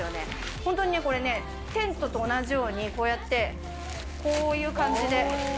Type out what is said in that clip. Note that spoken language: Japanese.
本当にこれね、テントと同じように、こうやって、こういう感じで。